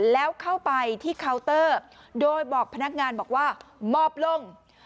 แล้วเข้าไปที่เคาน์เตอร์โดยบอกพนักงานบอกว่ามอบลง